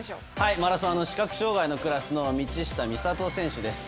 マラソンの視覚障がいの選手の道下美里選手です。